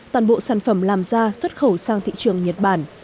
toàn bộ sản phẩm làm ra xuất khẩu sang thị trường nhật bản